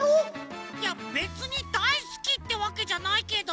いやべつにだいすきってわけじゃないけど。